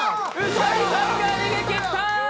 兎さんが逃げ切った！